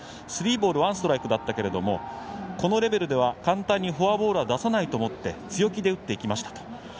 スリーボールワンストライクだったけれどもこのレベルでは簡単にフォアボールは出さないと思って強気で打っていきました。